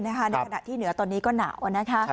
ในขณะที่เหนือตอนนี้ก็หนาวนะคะ